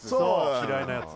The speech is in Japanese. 嫌いなやつ